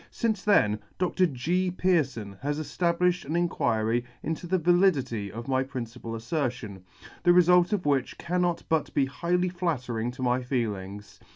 Since then Dr. G. Pearfon has eftablifhed an inquiry into the validity of my principal aflertion, the refult of which cannot but be highly flattering to my feelings.